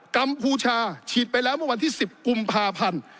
กัมพูชาฉีดไปแล้วที่๑๐กุมภาพันธ์